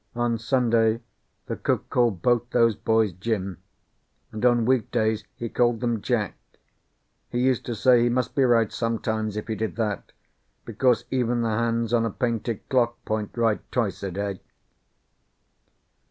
On Sunday the cook called both those boys Jim, and on weekdays he called them Jack. He used to say he must be right sometimes if he did that, because even the hands on a painted clock point right twice a day.